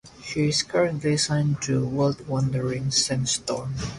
She is currently signed to World Wonder Ring Stardom.